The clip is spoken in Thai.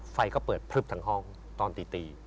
ไฟก็เปิดพลึบทั้งห้องตอนตี